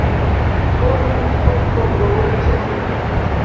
دا نوم خلکو ته د باور احساس ورکوي.